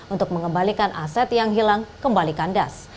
untuk mengembalikan aset yang hilang kembali kandas